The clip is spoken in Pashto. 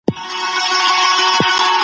په مال کي د خوارانو حق ثابت دی.